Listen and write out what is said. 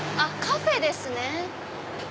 カフェですね！